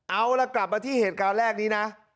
เอาล่ะกลับมาที่เหตุการณ์แรกนี้นะ